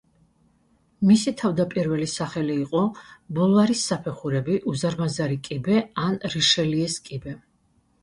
მისი თავდაპირველი სახელი იყო ბულვარის საფეხურები, უზარმაზარი კიბე ან რიშელიეს კიბე.